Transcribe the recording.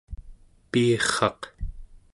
piirraq